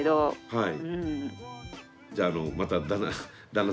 はい。